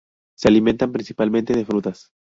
Se alimentan principalmente de frutas.